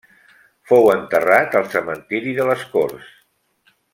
Fou enterrat al cementiri de les Corts.